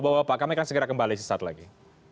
bapak bapak kami akan segera kembali sesaat lagi